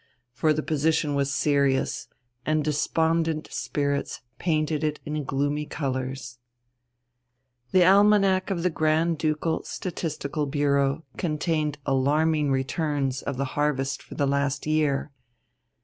For the position was serious, and despondent spirits painted it in gloomy colours. The "Almanac of the Grand Ducal Statistical Bureau" contained alarming returns of the harvest for the last year.